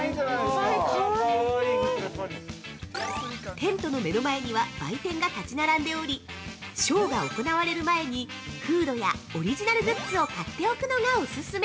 ◆テントの目の前には売店が立ち並んでおり、ショーが行われる前に、フードやオリジナルグッズを買っておくのがオススメ！